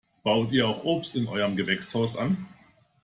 Baut ihr auch Obst in eurem Gewächshaus an?